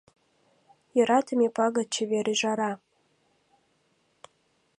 Йӧратыме пагыт чевер ӱжара…